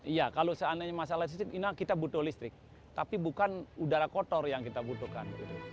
iya kalau seandainya masalah listrik kita butuh listrik tapi bukan udara kotor yang kita butuhkan